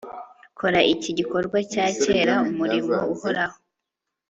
Kora iki gikorwa cya kera umurimo uhoraho